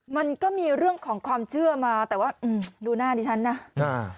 มันก็มีเรื่องของความเชื่อมาแต่ว่าอืมดูหน้าดิฉันนะอ่า